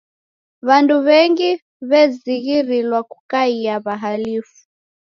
W'andu w'engi w'ezighirilwa kukaia w'ahalifu.